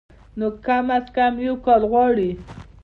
نو کم از کم يو کال غواړي